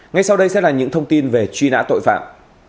ngay sau đây sẽ là những thông tin về truy nã tội phạm